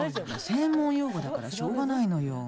専門用語だからしょうがないのよ。